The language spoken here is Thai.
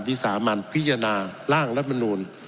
วิสามัณฑ์พิจารณาร่างรัฐบนูล